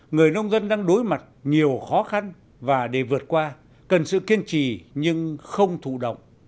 người nông dân đang đối mặt nhiều khó khăn và để vượt qua cần sự kiên trì nhưng không thụ động